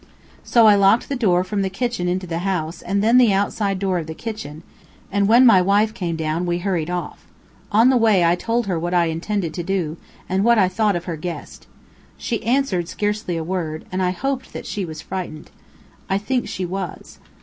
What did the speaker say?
So I locked the door from the kitchen into the house and then the outside door of the kitchen, and when my wife came down we hurried off. On the way I told her what I intended to do, and what I thought of our guest. She answered scarcely a word, and I hoped that she was frightened. I think she was.